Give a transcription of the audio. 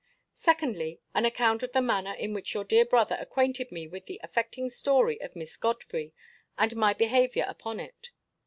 Secondly, an account of the manner in which your dear brother acquainted me with the affecting story of Miss Godfrey, and my behaviour upon it.